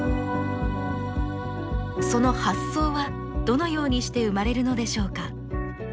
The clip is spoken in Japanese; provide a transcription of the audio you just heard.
その発想はどのようにして生まれるのでしょうか。